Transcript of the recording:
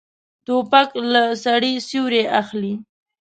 توپک له سړي سیوری اخلي.